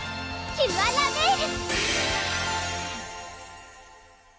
キュアラメール！